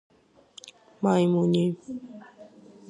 მაიმუნიიი.